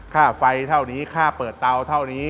ค่าไฟเท่านี้ค่าเปิดเตาเท่านี้